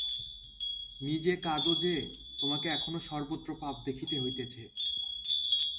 নিজে কাঁদ যে, তোমাকে এখনও সর্বত্র পাপ দেখিতে হইতেছে।